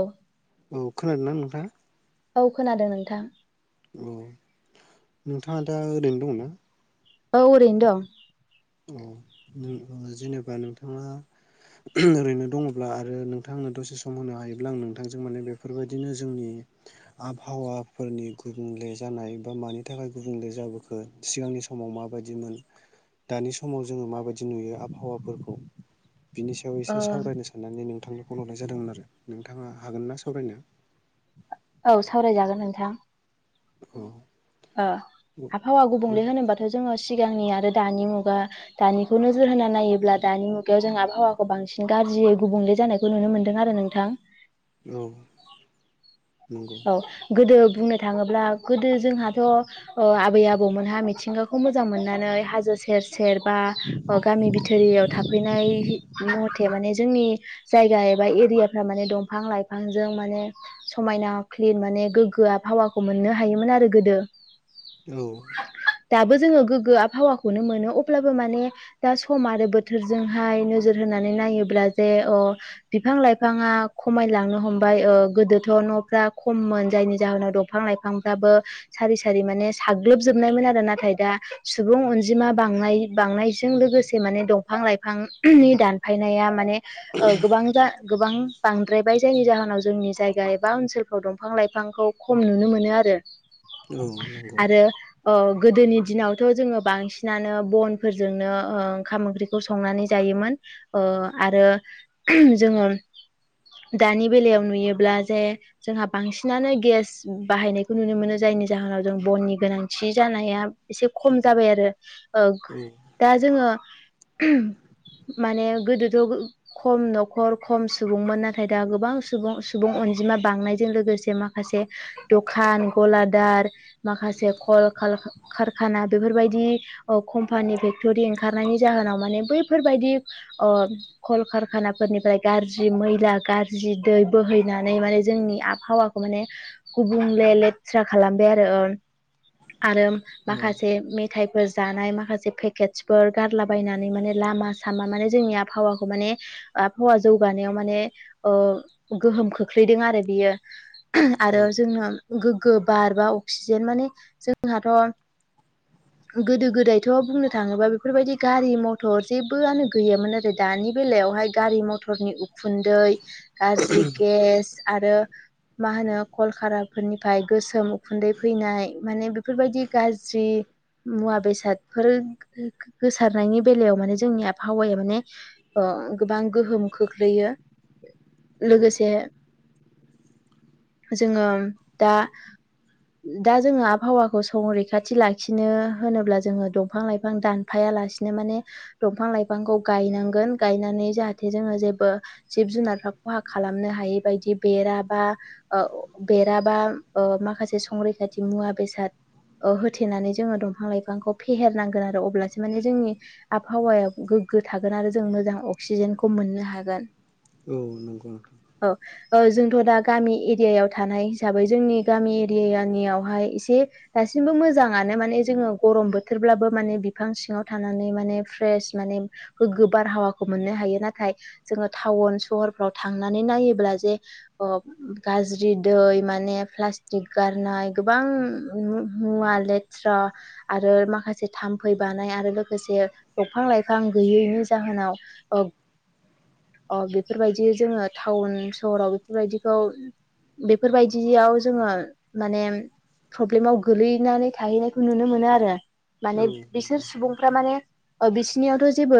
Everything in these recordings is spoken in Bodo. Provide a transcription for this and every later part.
औ। औ खोनादों ना नोंथां? औ खोनादों नोंथां। औ नोंथाङा दा ओरैनो दङ ना? औ ओरैनो दं औ जेनेबा नोंथाङा ओरैनो दङब्ला आरो नोंथांनो दसे सम होनो हायोब्ला आं नोंथांजों माने बेफोरबायदिनो जोंनि आबहावाफोरनि गुबुंले जानाय बा मानि थाखाय गुबुंले जाबोखो सिगांनि समाव माबायदि मोन दानि समाव जोङो माबायदि नुयो आबहावाफोरखौ बिनि सायाव ओ एसे सावरायनो साननानै नों थांनो फन हरनाय जादोंमोन आरो नोंथाङा हागोन ना सावरायनो? औ सावरायजागोन नोंथां। औ ओ औ आबहावा गुबुंले होनोबाथ' जोङो सिगांनि आरो दानि मुगा दानिखौ नोजोर होना नायोब्ला दानि मुगायाव जों आबहावाखौ बांसिन गा ज्रियै गुबुंले जानायखौ नुनो मोन्दों आरो नोंथां। औ नंगौ औ गोदो बुंनो थाङोब्ला गोदो जोंहाथ' ओ आबै आबौमोनहा मिथिंगाखौ मोजां मोननानै हाजो सेर सेर बा ओ गामि बिथोरयाव थाफैनाय मथे माने जोंनि जायगा एबा एरियाफ्रा माने दंफां लाइफांजों माने समायना क्लिन माने गोग्गोआ आबहावाखौ मोननो हायोमोन आरो गोदो। औ दाबो जोङो गोग्गो आबहावाखौनो मोनो अब्लाबो माने दा सम आरो बोथोरजोंहाय नोजोर हो नानै नायोब्ला जे अ बिफां लाइफाङा खमायलांनो हमबाय ओ गोदोथ' न'फ्रा खममोन जायनि जाहोनाव दंफां लाइफांफ्राबो सारि सारि माने साग्लोबजोबनायमोन आरो नाथाय दा सुबुं अनजिमा बांनाय बांनायजों लोगोसे माने दंफां लाइफांनि दानफायनाया माने ओ गोबां गोबां बांद्रायबाय जायनि जाहोनाव जोंनि जायगा एबा ओनसोल खौ दंफां लाइफांखौ खम नुनो मोनो आरो। औ नंगौ। आरो ओ गोदोनि दिनावथ' जोङो बांसिनानो बनफोरजोंनो ओ ओंखाम ओंख्रिखौ संनानै जायोमोन। ओ आरो जोङो दानि बेलायाव नुयोब्ला जे जोंहा बांसिनानो गेस बाहायनायखौ नुनो मोनो जायनि जाहोनाव जों बननि गोनांथि जानाया एसे खम जाबाय ओ आरो औ दा जोङो माने गोदोथ' खम न'खर खम सुबुंमोन नाथाय दा गोबां सुबुं सुबुं अन जिमा बांनाय जों लोगोसे दखान गलादार माखासे कल खाल कार खाना बेफोरबायदि ओ कम्पानि फेक्टरि ओंखारनायनि जाहोनाव माने बैफोरबायदि ओ कलकारखानाफोरनिफ्राय गाज्रि मैला गाज्रि दै बोहैनानै माने जोंनि आब आबहावाखौ माने गुबुंले लेथ्रा खालामबाय आरो ओ आरो औ माखासे मे थाइफोर जानाय माखासे पेकेटसफोर गारलाबायनानै माने लामा सामा माने जोंनि आबहावाखौ माने ने आबहावा जौगानायाव माने ओ‌ गोहोम खोख्लैदों आरो बियो। आरो औ जोंनो गोगो बार बा अक्सिजेन माने जोंहाथ' [inaudible] गोदो गोदायथ' बुंनो थाङोबा बेफोरबायदि गारि मथर जेबो आनो गैयामोन आरो दानि बेलायाव हाय गारि मथरनि उखुन्दै गाज्रि गेस आरो मा होनो कलकाराफोरनिफ्राय गोसोम उखुन्दै फैनाय माने बेफोरबायदि गाज्रि मुवा बेसादफोर गोसारनायनि बेलायाव माने जोंनि आबहावाया माने ओ ओ गोबां गोहोम खोख्लैयो। [inaudible] लोगोसे जोङो दा दा जोङो आबहावाखौ संरैखाथि लाखिनो होनोब्ला जोङो दंफां लाइफां दानफाया लासिनो माने दंफांलाइफांखौ गायनांगोन गायनानै जाहाथे जोङो जेबो जिब जुनाद फ्रा खहा खालामनो हायै बायदि बेरा बा ओ बेरा बा ओ माखासे संरैखाथि मुवा बेसाद ओ होथेनानै जोङो दंफां लाइफांखौ फेहेरनांगोन आरो अब्लासो माने जोंनि आबहावाया गो ग्गो थागोन आरो जों मोजां अक्सिजेनखौ मोननो हागोन। औ नंगौ नोंथां। औ जोंथ' दा गामि एरियायाव थानाय हिसाबै जोंनि गामि एरियानियावहाय एसे दासिमबो मोजाङानो माने जोङो गरम बोथोरब्लाबो बिफां सिङाव थानानै माने फ्रेस माने गोगो बार मोनो। बारहावाखौ मोननो हायो नाथाय जोङो टाउन सहरफ्राव थांनानै नायोब्ला जे गाज्रि दै माने प्लास्टिक गारनाय गोबां मुवा ल थ्रा आरो माखासे थाम्फै बानाय आरो लोगोसे दंफां लाइफां गैयैनि ज मोनाव [inaudible] अ बेफोरबायदि जोङो टाउन सहराव बेफोरबायदि खौ बेफोरबायदियाव जोङो माने प्रब्लेमाव गोलैनानै थाहैनायखौ नुनो मोनो आरो औ माने नंगौ बिसोर सुबुंफ्रा माने बिसोरनियावथ' जेबो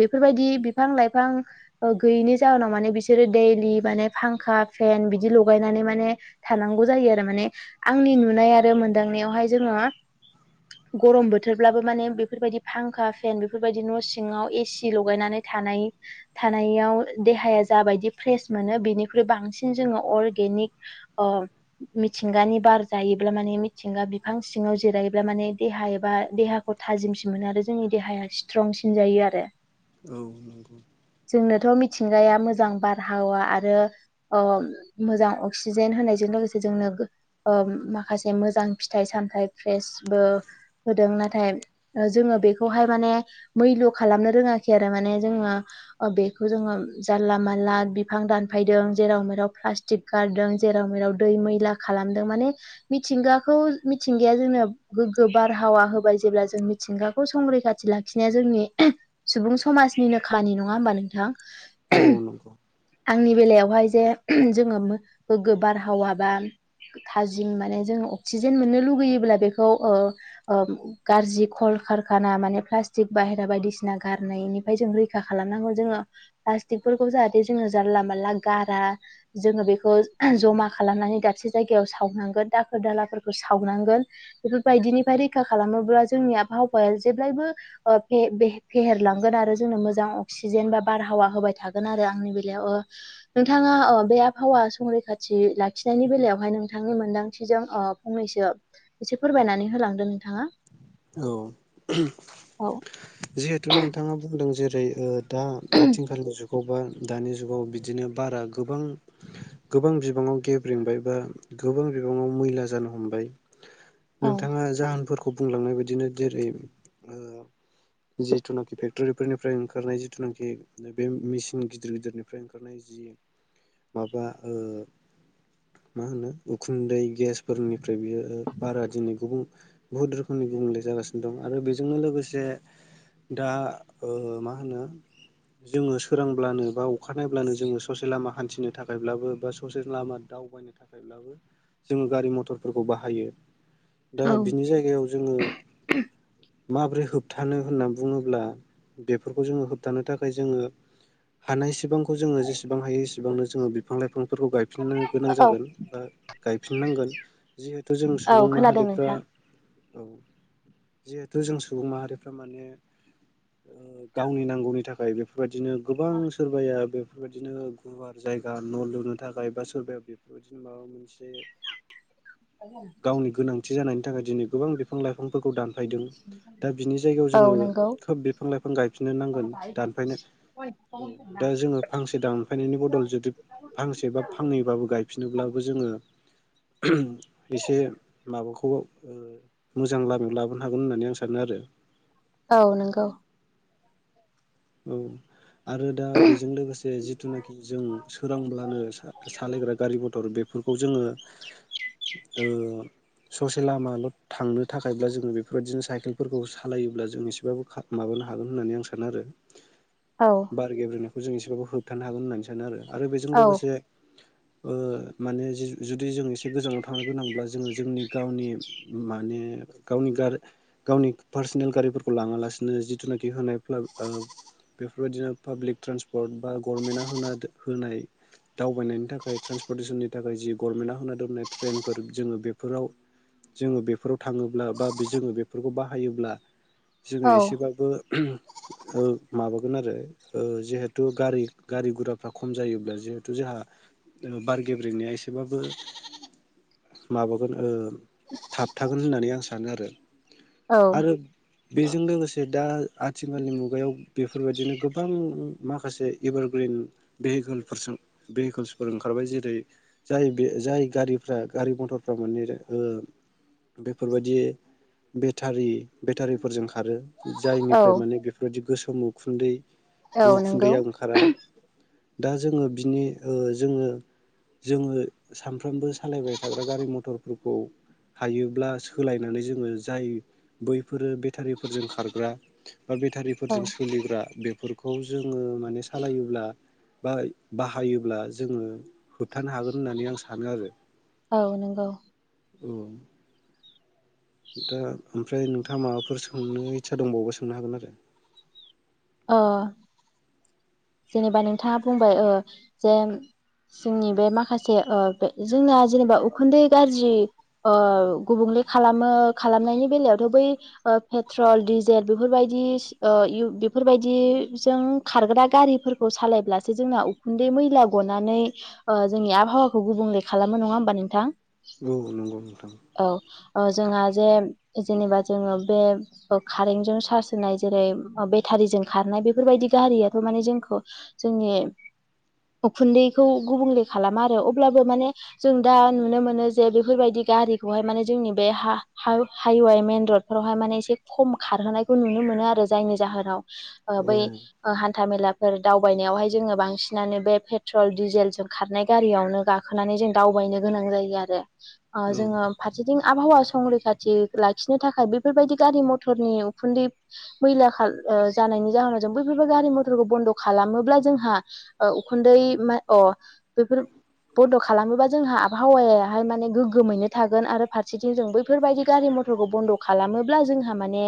बेफोरबायदि बिफां-लाइफां गैयैनि जाहोनाव माने बिसोरो दैेलि माने फांखा फेन बिदि लगायनानै माने थानांगौ जायो आरो माने आंनि नुनाय आरो मोनदांनायावहाय जोङो। हा गरम बोथोरब्लाबो माने बेफोरबायदि फांखा फेन बेफोरबायदि न' सिङाव एसि लगायनानै थानाय थानायाव देहाया जाबायदि फ्रेस मोनो बेनिख्रुइ बांसिन जोङो अरगेनिक मिथिंगानि बार जायोब्ला माने मिथिंगा बिफां सिङाव आव जिरायोब्ला माने देहा एबा देहाखौ थाजिमसिन मोनो आरो जोंनि देहाया स्ट्रंसिन जायो आरो औ नंगौ जोंनोथ' मिथिंगाया मोजां बारहावा आरो मोजां अक्सिजेन होनायजों लोगोसे जोंनो माखासे मोजां फिथाइ साम सामथाय फ्रेस बो होदों नाथाय जोङो बेखौहाय मैल' खालाम नो रोङाखै आरो माने जोङो बेखौ जोङो जानला मानला बिफां दानफायदों जेराव मेराव प्लास्टिक गारदों, जेराव मेराव दै मैला खालामदों, माने मिथिंगाखौ मिथिंगाया जोंनो गोग्गो बारहावा होबाय जेब्ला जों मिथिंगाखौ संरैखाथि लाखिनाया जोंनि। सुबुं समाजनिनो खानि नङा होमबा नोंथां। औ नोंथां आंनि बेलायावहाय जे जोङो गोग्गो बारहावा बा थाजिम माने जोङो अक्सिजेन मोननो लुगैयोब्ला बेखौ गाज्रि खल खारखाना माने बाहेरा बायदिसिना गारनायनिफ्राय रैखा खालामनानै जोङो। फोरखौ जाहाथे जोङो जानला मला ग जोङो बेखौ ज'मा खालामनानै दाबसे जायगायाव सावनांगोन दाखोर दालाफोरखौ सावना गोन बेफोरबायदिनिफ्राय रैखा खालामोब्ला जोंनि आबहावाया जेब्लायबो। फेहेरलांगोन आरो जोंनो मोजां अक्सिजेन बा बारहावा होबाय थागोन आरो आंनि बेलायाव। नोंथाङा बे आबहावा संरैखाथि लाखिनायनि बेलायावहाय नोंथांनि मोनदांथिजों फंनैसो एसे फोरमायनानै होलांदो नोंथाङा औ औ जिहेथु नोंथाङा बुंदों जेरै दा आथिखालनि जुगाव बा दानि जुगाव बिदिनो बारा गोबां गोबां बिबाङाव गेब्रेंबाय बा गोबां बिबाङाव मैला जानो हमबाय। औ नोंथाङा जाहोनफोरखौ बुंलांनाय बाइदिनो जेरै जिथुनाखि फेक्ट'रि फोरनिफ्राय ओंखारनाय जिथुनाखि बे मेसिन गिदिर गिदिरनिफ्राय ओंखारनाय जि माबा ओ मा होनो उखुन्दै गेसफोरनिफ्राय बियो बारा दिनै गुब बहुत रोखोमनि गुबुंले जागासिनो दं आरो बेजोंनो लोगोसे दा मा होनो। जोङो सोरांब्लानो बा अखानायब्लानो जोङो ससे लामा हान्थिनो थाखायब्लाबो बा ससे लामा द दावबायनो थाखायब्लाबो जोङो गारि मथरफोरखौ बाहायो। दा बिनि जायगायाव जोङो माबोरै होबथा फानो होननानै बुङोब्ला बेफोरखौ जोङो होबथानो थाखाय जोङो। हानाय सिबांखौ जोङो जेसेबां हायो एसे बांनो जोङो बिफां लाइफांफोरखौ गायफिननो गोनां जागोन बा गायफिननांगोन जिहेथु जों औ सुबुं खोनादों माहारिफ्रा नोंथां औ जिहेथु जों सुबुं माहारिफ्रा माने ओ गावनि नांगौनि थाखाय बेफोरबायदिनो गोबां सोरबाया बेफोरबायदिनो गुवार जाय गा न' लुनो थाखाय बा सोरबाया बेफोरबायदिनो माबा मोनसे [inaudible] थि जानायनि थाखाय दिनै गोबां बिफां लाइफां फोरखौ दानफायदों दा बिनि जायगायाव औ जोङो नंगौ खोब बिफां लाइफां गायफिननो नांगोन दानफायनो औ दा जोङो फांसे दानफायनायनि बदल जुदि फांसे बा फांनैबाबो गायफिनोब्लाबो जोङो एसे माबाखौ ओ मो जां लामायाव लाबोनो हागोन होननानै आं सानो आरो। औ नंगौ। औ आरो दा बेजों लोगोसे जिथुनाखि जों सोरांब्लानो सा-सालायग्रा गारि मथर बे बेफोरखौ जोङो ओ ससे लामाल' थांनो थाखायब्ला जोङो बेफोरबायदिनो साइकेलफोरखौ सालायोब्ला जों एसेबाबो खा माबा नो हागोन होन्नानै आं सानो आरो औ बार गेब्रेंनायखौ जों एसेबाबो होबथानो हागोन होननानै सानो आरो, आरो बेजों औ लोगोसे ओ माने जुदि जों एसे गोजानाव थांनो गोनांब्ला जोङो जोंनि गावनि माने गावनि गार गावनि पार्सनेल गारिफोरखौ लाङा लासिनो जिथुनाखि [unintelligible] बेफोरबायदिनो पाब्लिक ट्रेन्सपर्ट बा गभर्नमेन्टआ होन होनाय दावबायनायनि थाखाय ट्रेन्सपर्टेसननि थाखाय जि गभर्नमेन्टआ होना दोननाय ट्रेनफोर जोङो बेफोराव जोङो बेफोराव थाङोब्ला बा जोङो बेफोरखौ बाहायोब्ला जोङो औ एसेबाबो ओ माबागोन आरो ओ जिहेथु गारि गारि गुराफ्रा खम जायोब्ला जिहेथु जोंहा बार गेब्रेंनाया एसेबाबो माबागोन ओ थाबथागोन होननानै आं सानो आरो। औ आरो बेजों लोगोसे दा आथिखालनि मुगायाव बेफोरबायदिनो गोबां माखासे एभारग्रिन भेहिकोलफोरजों भेहिकोलसफोर ओंखार बै जेरै जाय बे जाय गारिफ्रा गारि मथरफ्रा माने ओ बेफोरबायदि बेटारि बेटारिफोरजों खारो औ जायनिफ्राय माने बेफोरबायदि गोसोम उखुन्दै औ नंगौ उखुन्दैया ओंखारा दा जोङो बिनि ओ जोङो जोङो सानफ्रोमबो सालायबाय थाग्रा गारि मथरफोरखौ हायोब्ला सोलायनानै जोङो जाय बैफोरो बेटारिफोरजों खारग्रा बा औ बेटारिफोरजों सोलिग्रा बेफोरखौ जोङो माने सालायोब्ला बा बाहायोब्ला जोङो होबथानो हागोन होननानै आं सानो आरो। औ नोंगौ। औ। दा ओमफ्राय नोंथाङा माबाफोर सोंनो इस्सा दंबावोबा सोंनो हागोन आरो। ओ जेनेबा नोंथाङा बुंबाय ओ जेन जोंनि बे माखासे ओ बे जोंना जेनेबा उखुन्दै गाज्रि ओ गुबुंले खालामो खालामनायनि बेलायावथ' बै ओ पेट्रल डिजेल बेफोरबायदि ओ बेफोरबायदि जों खारग्रा गारिफोरखौ सालायब्लासो जोंना उखुन्दै मैला गनानै ओ जोंनि आबहावाखौ गुबुंले खालामो नङा होनबा नोंथां? औ नंगौ नोंथां औ जोंहा जे जेनेबा जोङो बे ओ कारेन्टजों चार्ज होनाय जेरै बेटारिजों खारनाय बेफोरबायदि गारि माने जोंखौ जोंनि‌ उखुन्दैखौ गुबुंले खालामा आरो अब्लाबो माने जों दा नुनो मोनो जे बेफोरबायदि। गारिखौहाय माने जोंनि बे हा हा हाइवे मेन रड फोरावहाय माने एसे खम खारहोनायखौ नुनो मोन। मोनो आरो जायनि जाहोनाव ओ औ बै ओ हा न्था मेलाफोर दावबायनायावहाय जोंङो बांसिनानो बे पेट्रल डिजेलजों खारनाय गारियावनो गाखोनानै थां जों दावबायनो गोनां जायो आरो ओ औ जोंङो फारसेथिं आबहावा संरैखाथि लाखिनो थाखाय बेफोरबायदि गारि मथरनि उखुन्दै मैला खार ओ जानायनि जाहोनाव जों बैफोर गारि मथ फोरखौ बन्द' खालामोब्ला जोंहा ओ उखुन्दै मा अ बेफोर बन्द' खालामोबा जोंहा आबहावायाहाय माने गोग्गोमैनो थागोन आरो फारसेथिं जों बैफोरबायदि गारि मथ मथरखौ बन्द खालामोब्ला जोंहा माने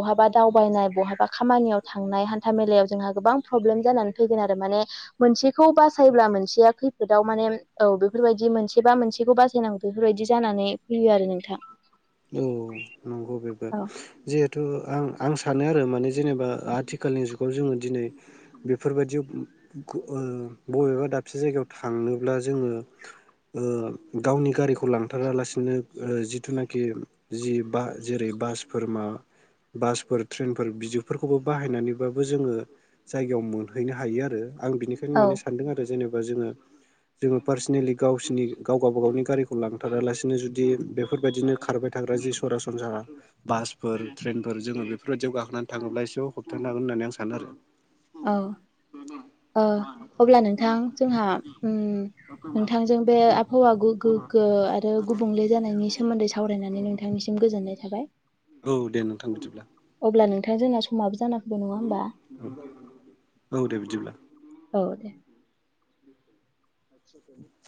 बहाबा दावबायनाय बहाबा खामानियाव थांनाय हानथामेल। मेलायाव जोंहा गोबां प्रब्लेम जानानै फैगोन आरो माने मोनसेखौ बासायब्ला मोनसेया खैफोदाव माने औ बे फोरबायदि मोनसे बा मोनसेखौ बासायनांगौ बेफोरबायदि जानानै फैयो आरो नोंथां। औ नंगौ बेबो औ जिहेथु आं आं सा सानो आरो माने जेनेबा आथिखालनि जुगाव जोंङो दिनै बेफोरबायदि खौ ओ बबेबा दाबसे जायगायाव थांनोब्ला जोंङो ओ गावनि गारिखौ लांथारालासिनो ओ जिथुनाखि खि जि बा जेरै बासफोर मा बासफोर ट्रेनफोर बिदिफोरखौबो बाहायनानैबाबो जोंङो जायगायाव मोनहैनो हायो आरो। आं बिनिखायनो औ माने सानदों आरो जेनेबा जोंङो जोंङो पार्सनेलि गावसिनि गाव गावबा गावनि गारिखौ लांथारालासिनो जुदि बेफोरबायदिनो खारबाय थाग्रा जि सरासनस्रा बासफोर ट्रेनफोर जोंङो बेफोरबायदियाव गाखोनानै थांङोब्ला एसेब्लाबो होप्थानो नो हागोन होननानै आं सानो आरो। औ। ओ अब्ला नोंथां जोंहा उम नोंथांजों बे आबहावा गोगो गोग्गो आरो गुबुंले जानायनि सोमोन्दै सावरायनानै नोंथांनिसिम गोजोननाय थाबाय। औ दे नोंथां बिदिब्ला। अब्ला नोंथां जोंना समाबो जाना फैबाय नंङा होमबा औ औ दे बिदिब्ला। औ दे। [unintelligible]